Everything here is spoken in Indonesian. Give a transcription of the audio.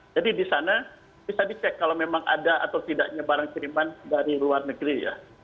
jadi di sana bisa dicek kalau memang ada atau tidaknya barang kiriman dari luar negeri ya